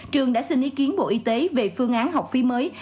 trường đã xin ý kiến bộ y tế về phương án học phí mới